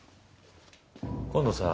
今度さ。